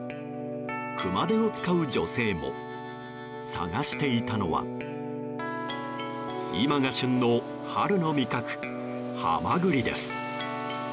熊手を使う女性も探していたのは今が旬の春の味覚ハマグリです。